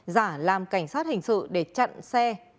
giả làm cảnh sát hình sự để chặn xe